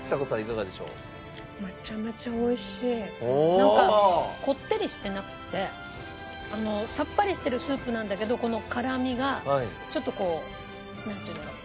なんかこってりしてなくてさっぱりしてるスープなんだけどこの辛味がちょっとこうなんていうんだろう？